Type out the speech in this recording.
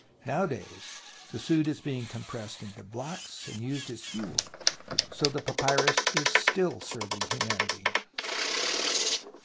Nowadays, the sudd is being compressed into blocks and used as fuel, so the papyrus is still serving humanity.